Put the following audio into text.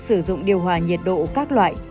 sử dụng điều hòa nhiệt độ các loại